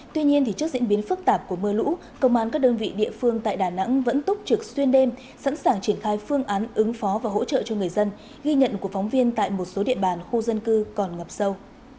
tuy nhiên trước diễn biến phức tạp của mưa lũ công an các đơn vị địa phương tại đà nẵng vẫn túc trực xuyên đêm sẵn sàng triển khai phương án ứng phó và hỗ trợ cho người dân ghi nhận của phóng viên tại một số địa bàn khu dân cư còn ngập sâu